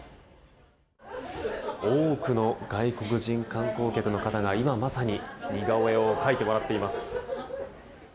多くの外国人観光客の方が今まさに似顔絵を描いてもらっています。